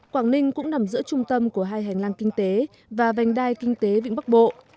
quảng ninh cũng nằm giữa trung tâm của hai hành lang kinh tế và vành đai kinh tế vịnh bắc bộ